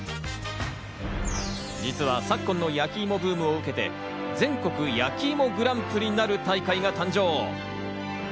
実は昨今の焼きいもブームを受けて、全国やきいもグランプリなる大会が誕生。